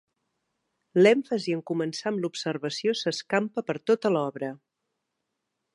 L'èmfasi en començar amb l'observació s'escampa per tota l'obra.